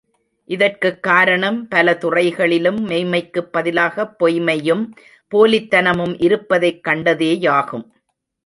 இதற்குக் கார ணம், பல துறைகளிலும் மெய்ம்மைக்குப் பதிலாகப் பொய்ம்மையும் போலித்தனமும் இருப்பதைக் கண்டதே யாகும்.